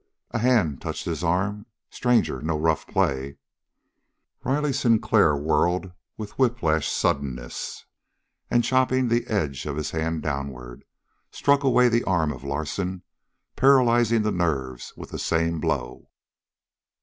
A hand touched his arm. "Stranger, no rough play!" Riley Sinclair whirled with whiplash suddenness and, chopping the edge of his hand downward, struck away the arm of Larsen, paralyzing the nerves with the same blow.